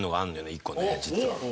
１個実は。